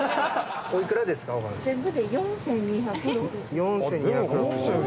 ４，２６０円。